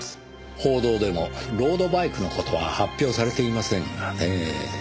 報道でもロードバイクの事は発表されていませんがねぇ。